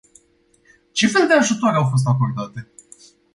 Ce fel de ajutoare au fost acordate?